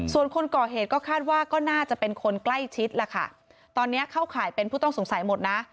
ส่วนคนก่อเหตุก็คาดว่าก็น่าจะเป็นคนใกล้ชิดล่ะค่ะตอนนี้เข้าข่ายเป็นผู้ต้องสงสัยหมดนะ